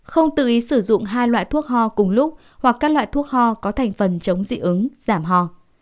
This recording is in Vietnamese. không tự ý sử dụng hai loại thuốc ho cùng lúc hoặc các loại thuốc ho có thành phần chống dị ứng giảm ho